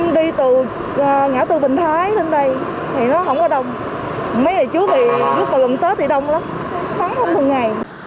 đi ngã từ bình thái lên đây thì nó không có đông mấy người chú vị lúc mà gần tết thì đông lắm vắng không thường ngày